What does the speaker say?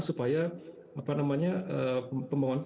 supaya pembangunan itu tidak meluas